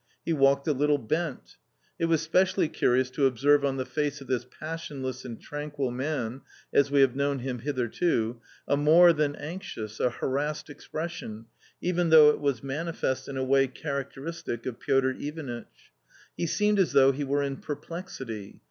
He walked a little bent It was specially curious to observe on the face of this passionless and tranquil man — as we have known him hitherto — a more than anxious, a harassed expression, even though it was manifest in a way characteristic of Piotr Ivanitch. He seemed as though he were in perplexity.